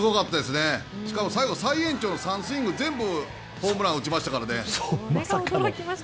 最後、再延長の３スイング全部ホームラン打ちましたから。